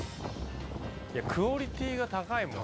クオリティーが高いもん。